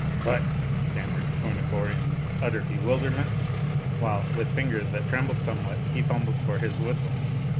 "But " stammered Tournefort in utter bewilderment, while, with fingers that trembled somewhat, he fumbled for his whistle.